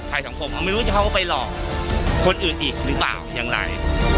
สังคมไม่รู้จะเข้าไปหลอกคนอื่นอีกหรือเปล่าอย่างไร